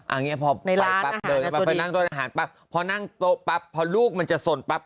อันนี้พอไล่ปั๊บเดินปั๊บไปนั่งโต๊ะอาหารปั๊บพอนั่งโต๊ะปั๊บพอลูกมันจะสนปั๊บ